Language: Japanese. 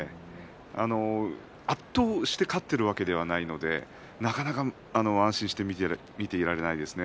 圧倒して勝っているわけではないのでなかなか安心して見ていられないですね。